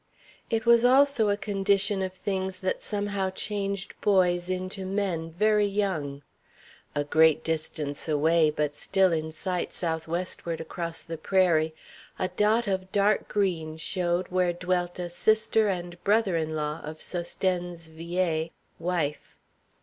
It was also a condition of things that somehow changed boys into men very young. A great distance away, but still in sight south westward across the prairie, a dot of dark green showed where dwelt a sister and brother in law of Sosthène's vieille, wife.